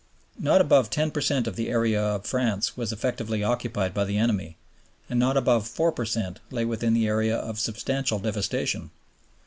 Not above 10 per cent of the area of France was effectively occupied by the enemy, and not above 4 per cent lay within the area of substantial devastation.